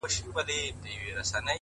د ورورولۍ په معنا؛